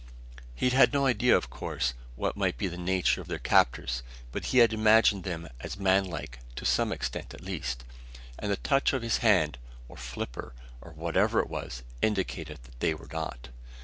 He'd had no idea, of course, what might be the nature of their captors, but he had imagined them as man like, to some extent at least. And the touch of his hand, or flipper, or whatever it was, indicated that they were not!